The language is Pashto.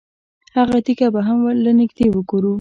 هغه تیږه به هم له نږدې وګورو.